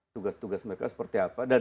tugas tugas mereka seperti apa dan